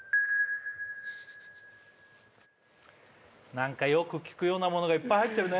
何かよく聞くようなものがいっぱい入ってるね